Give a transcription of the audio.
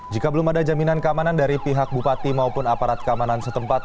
jika belum ada jaminan keamanan dari pihak bupati maupun aparat keamanan setempat